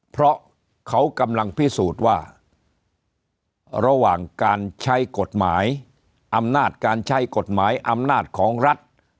เพราะเขากำลังพิสูจน์ว่าระหว่างการใช้กฎหมายอำนาจการใช้กฎหมายอำนาจของรัฐ